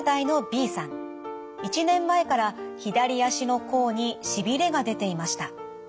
１年前から左足の甲にしびれが出ていました。